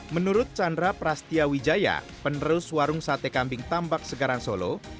menurut chandra prastia wijaya penerus warung sate kambing tambak segaran solo